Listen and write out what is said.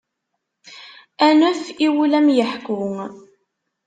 Anef i wul ad am-yeḥku.